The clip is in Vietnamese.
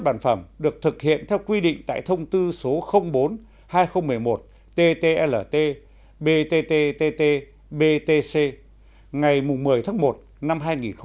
bản phẩm được thực hiện theo quy định tại thông tư số bốn hai nghìn một mươi một ttlt btttt btc ngày một mươi tháng một năm hai nghìn một mươi bảy